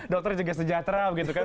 dokter juga sejahtera begitu kan